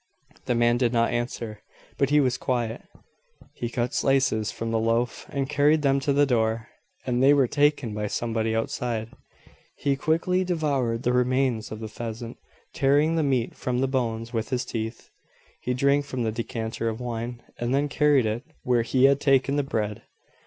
The man did not answer, but he was quiet. He cut slices from the loaf, and carried them to the door, and they were taken by somebody outside. He quickly devoured the remains of the pheasant, tearing the meat from the bones with his teeth. He drank from the decanter of wine, and then carried it where he had taken the bread.